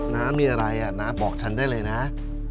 น้ามีอะไรน้าบอกฉันได้เลยนะ